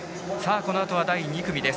このあとは第２組です。